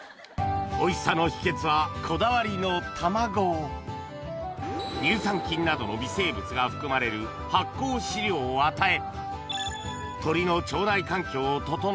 おいしさの秘訣はこだわりの卵乳酸菌などの微生物が含まれるを与え